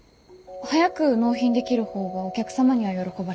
早く納品できる方がお客様には喜ばれます。